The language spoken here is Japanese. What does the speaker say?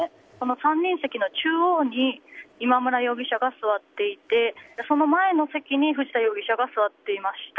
３人席の中央に今村容疑者が座っていてその前の席に、藤田容疑者が座っていました。